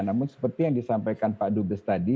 namun seperti yang disampaikan pak dubes tadi